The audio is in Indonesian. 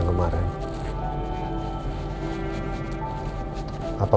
masih apa kali berdua preks